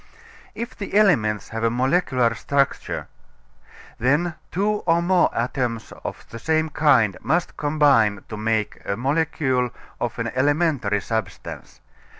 If the elements have a molecular Structure then two or more atoms of the same kind must combine to make a molecule of an elementary substance.